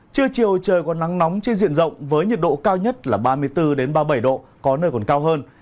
trưa chiều trời có nắng nóng trên diện rộng với nhiệt độ cao nhất là ba mươi bốn ba mươi bảy độ có nơi còn cao hơn